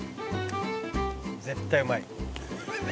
「絶対うまい」